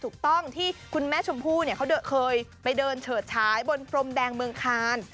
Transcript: ถูกต้องที่คุณแม่ชมพู่เขาเคยไปเดินเฉิดฉายบนพรมแดงเมืองคาน